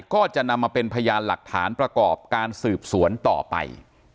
ก็จะนำมาเป็นพยานหลักฐานประกอบการสืบสวนต่อไป